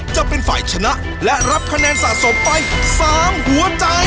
จะเป็นฝ่ายชนะและรับคะแนนสะสมไป๓หัวใจ